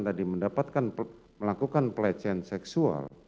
tadi melakukan pelecehan seksual